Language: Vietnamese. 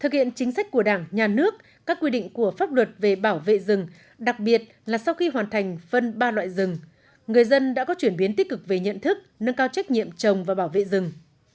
thực hiện chính sách của đảng nhà nước các quy định của pháp luật về bảo vệ rừng đặc biệt là sau khi hoàn thành phân ba loại rừng người dân đã có chuyển biến tích cực về nhận thức nâng cao trách nhiệm trồng và bảo vệ rừng